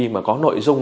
mà có nội dung